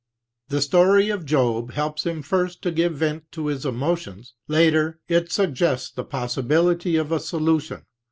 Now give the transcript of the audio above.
The story of Job helps him first to give vent to his emotions; later, it suggests the possibility of a solution.